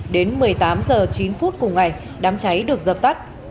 đến một mươi tám h chín phút cùng ngày đám cháy được dập tắt